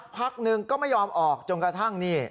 พักหนึ่งก็ไม่ยอมออกจนกระทั่งนี่